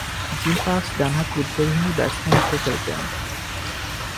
Gym Parks ডানহাতি উদ্বোধনী batsman হিসেবে খেলতেন।